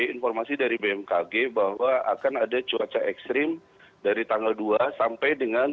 informasi dari bmkg bahwa akan ada cuaca ekstrim dari tanggal dua sampai dengan